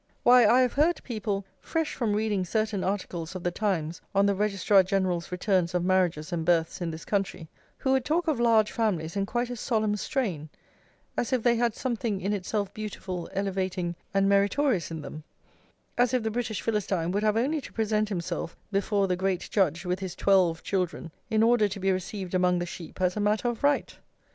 Why, I have heard people, fresh from reading certain articles of The Times on the Registrar General's returns of marriages and births in this country, who would talk of large families in quite a solemn strain, as if they had something in itself beautiful, elevating, and meritorious in them; as if the British Philistine would have only to present himself before the Great Judge with his twelve children, in order to be received among the sheep as a matter of right!